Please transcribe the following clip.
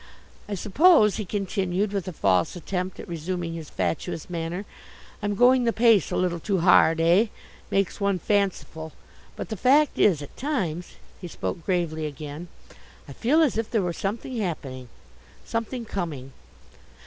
I suppose," he continued, with a false attempt at resuming his fatuous manner, "I'm going the pace a little too hard, eh! Makes one fanciful. But the fact is, at times" he spoke gravely again "I feel as if there were something happening, something coming."